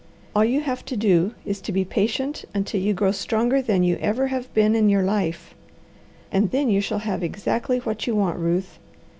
All you have to do is to be patient until you grow stronger than you ever have been in your life, and then you shall have exactly what you want, Ruth.